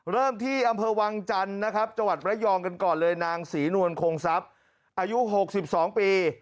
เริ่มที่อำเภอวังจันทร์นะครับจังหวัดระยองกันก่อนเลยนางศรีนวลคงทรัพย์อายุ๖๒ปี